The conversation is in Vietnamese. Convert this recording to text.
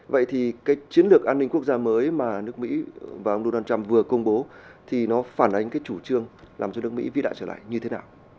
vậy thì cái chiến lược an ninh quốc gia mới mà nước mỹ và ông donald trump vừa công bố thì nó phản ánh cái chủ trương làm cho nước mỹ đại trở lại như thế nào